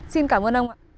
xin cảm ơn ông